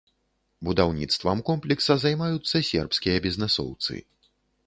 Будаўніцтвам комплекса займаюцца сербскія бізнэсоўцы.